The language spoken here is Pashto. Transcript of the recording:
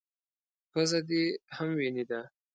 _پزه دې هم وينې ده.